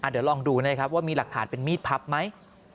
เดี๋ยวลองดูนะครับว่ามีหลักฐานเป็นมีดพับไหม